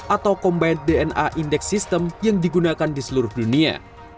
atau combine dna index system yang digunakan di seluruh dunia